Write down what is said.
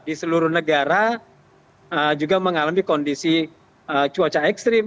di seluruh negara juga mengalami kondisi cuaca ekstrim